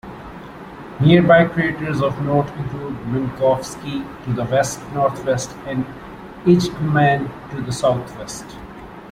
Nearby craters of note include Minkowski to the west-northwest, and Eijkman to the southwest.